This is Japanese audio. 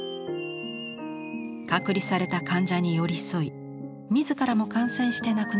隔離された患者に寄り添い自らも感染して亡くなりました。